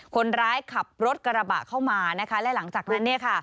คนร้ายขับรถกระบะเข้ามานะคะและหลังจากนั้นเนี่ยค่ะ